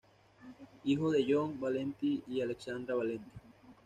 Hijo de John Valenti y Alexandra Valenti.